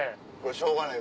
しょうがない